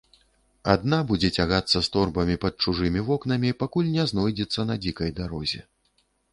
Адна будзе цягацца з торбамі пад чужымі вокнамі, пакуль не зойдзецца на дзікай дарозе.